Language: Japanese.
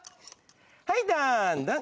はいどんどん。